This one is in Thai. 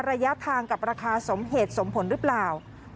ระยะทางกับราคาสมเหตุสมผลหรือเปล่า